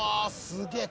すげえ。